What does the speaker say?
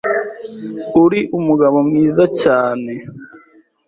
Uri umugabo mwiza cyane, .